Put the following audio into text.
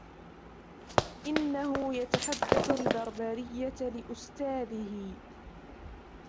إنهُ يتحدث البربرية لإُستاذه.